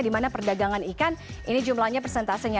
dimana perdagangan ikan ini jumlahnya presentasinya